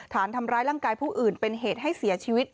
ฐานทำร้ายร่างกายผู้อื่นเป็นเหตุให้เสียชีวิต